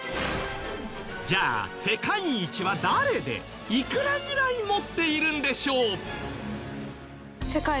じゃあ世界一は誰でいくらぐらい持っているんでしょう？